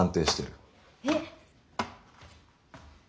えっ。